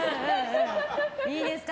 いいですか？